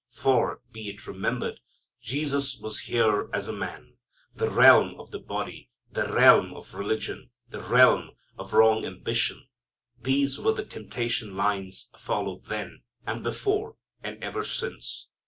For, be it remembered, Jesus was here as a man. The realm of the body, the realm of religion, the realm of wrong ambition, these were the temptation lines followed then, and before, and ever since.